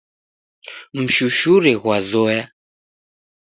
Mshushure ghwazoya